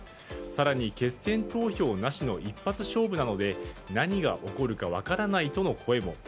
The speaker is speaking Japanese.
更に、決選投票なしの一発勝負なので何が起こるか分からないとの声も。